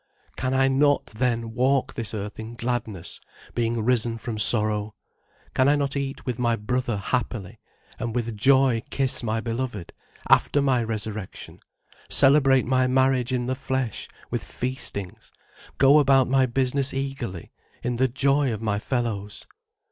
Can I not, then, walk this earth in gladness, being risen from sorrow? Can I not eat with my brother happily, and with joy kiss my beloved, after my resurrection, celebrate my marriage in the flesh with feastings, go about my business eagerly, in the joy of my fellows?